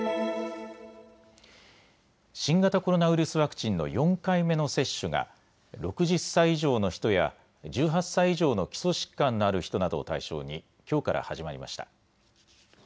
新型コロナウイルスワクチンの４回目の接種が６０歳以上の人や１８歳以上の基礎疾患のある人などを対象にきょうから始まりました。